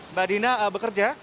mbak dina bekerja